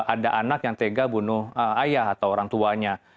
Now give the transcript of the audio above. ada anak yang tega bunuh ayah atau orang tuanya